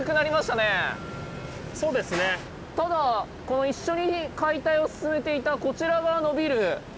ただこの一緒に解体を進めていたこちら側のビル